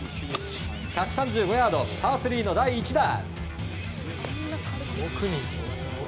１３５ヤード、パー３の第１打。